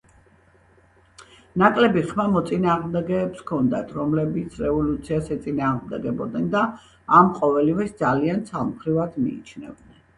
ნაკლები ხმა მოწინააღმდეგეებს ჰქონდათ, რომლებიც რევოლუციას ეწინააღმდეგებოდნენ და ამ ყოველივეს ძალიან ცალმხრივად მიიჩნევდნენ.